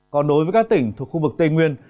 còn đối với các tỉnh thuộc khu vực tây nguyên